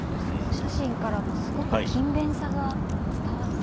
お写真からもすごく勤勉さが伝わってくるこうね。